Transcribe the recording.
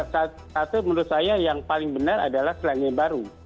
satu menurut saya yang paling benar adalah selangnya baru